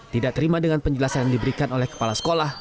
tidak terima dengan penjelasan yang diberikan oleh kepala sekolah